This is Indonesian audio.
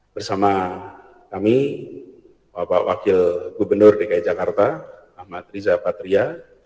bersama kami bapak wakil gubernur dki jakarta ahmad riza patria